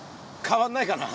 変わんないかな。